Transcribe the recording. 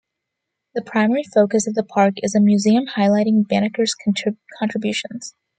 The primary focus of the park is a museum highlighting Banneker's contributions.